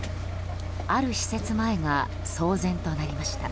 ある施設前が騒然となりました。